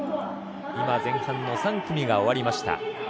今前半の３組が終わりました。